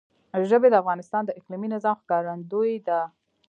ژبې د افغانستان د اقلیمي نظام ښکارندوی ده.